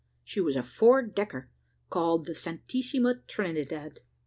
She was a four decker, called the Santissima Trinidad.